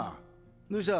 どうした？